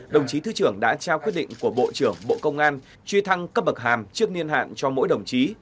đồng chí thứ trưởng đã trao quyết định của bộ trưởng bộ công an truy thăng cấp bậc hàm trước niên hạn cho mỗi đồng chí